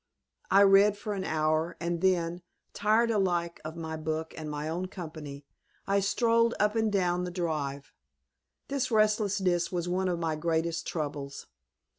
I read for an hour, and then, tired alike of my book and my own company, I strolled up and down the drive. This restlessness was one of my greatest troubles.